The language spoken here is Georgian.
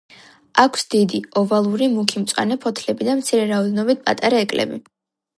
აქვს დიდი, ოვალური მუქი მწვანე ფოთლები და მცირე რაოდენობით პატარა ეკლები.